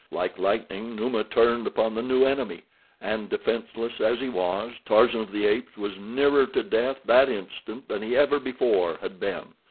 Like lightning Numa turned upon this new enemy, and, defenseless as he was, Tarzan of the Apes was nearer to death that instant than he ever before had been.